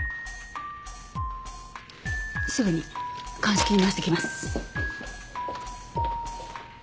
すぐに鑑識に回してきます。